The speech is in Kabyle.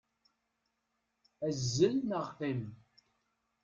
Azzel neɣ qqim!